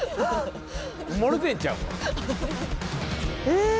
え！